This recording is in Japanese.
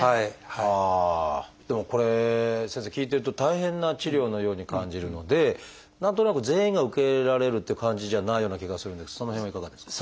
でもこれ先生聞いてると大変な治療のように感じるので何となく全員が受けられるという感じじゃないような気がするんですがその辺はいかがですか？